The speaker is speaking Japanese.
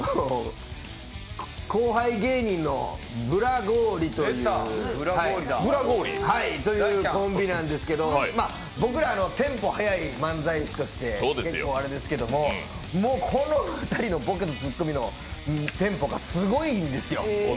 後輩芸人のブラゴーリというコンビなんですけど僕らテンポはやい漫才師として結構あれですけどこの２人のぼけとツッコミのテンポがすごいんですよ